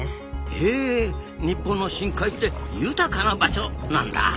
へえ日本の深海って豊かな場所なんだ。